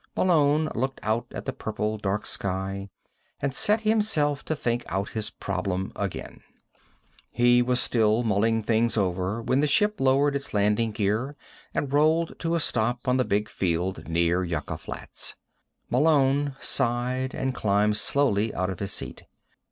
Malone looked out at the purple dark sky and set himself to think out his problem again. He was still mulling things over when the ship lowered its landing gear and rolled to a stop on the big field near Yucca Flats. Malone sighed and climbed slowly out of his seat.